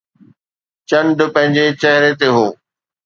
چنڊ پنهنجي چهري تي هو